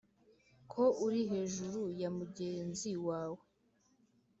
ko uri hejuru ya mugenzi wawe